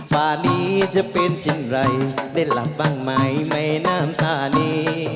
ป่านี้จะเป็นเช่นไรเต้นหลับบ้างไหมไม่น้ำตานี้